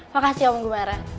makasih om gemara